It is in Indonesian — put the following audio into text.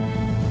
aku mau pergi